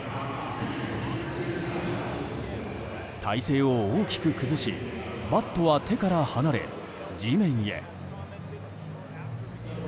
体勢を大きく崩しバットは手から離れ、地面へ。